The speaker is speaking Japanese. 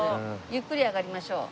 ゆっくり上がりましょう。